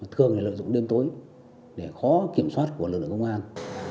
thường lợi dụng đêm tối để khó kiểm soát của lực lượng công an